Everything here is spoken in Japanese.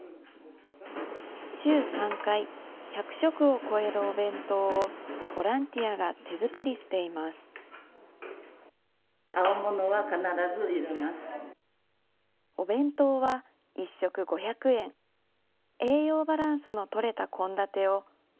週３回、１００食を超えるお弁当を、ボランティアが手作りしています。